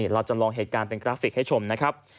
เราจำลองเหตุการณ์เป็นกราฟิกให้ชมนะครับ